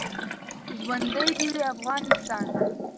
ژوندۍ د وی افغانستان